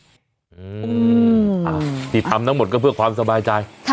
อืมอ่าที่ทำนั้นหมดก็เพื่อความสบายใจค่ะ